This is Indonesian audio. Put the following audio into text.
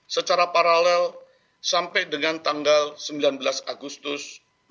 secara paralel sampai dengan tanggal sembilan belas agustus dua ribu dua puluh